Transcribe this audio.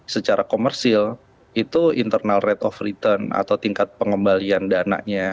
secara komersil itu internal rate of return atau tingkat pengembalian dananya